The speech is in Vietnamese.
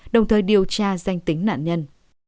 đồng thời điều tra danh tính nạn nhân